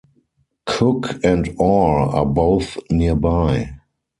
Cook and Orr are both nearby.